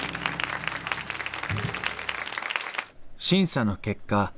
審査の結果